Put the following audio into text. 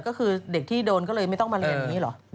ก็คือเด็กที่โดนก็เลยไม่ต้องมาเรียนอย่างนี้เหรอ